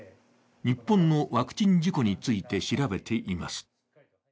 日本のワクチン事故について調べています。